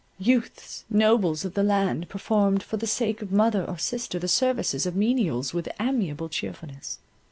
Youths, nobles of the land, performed for the sake of mother or sister, the services of menials with amiable cheerfulness.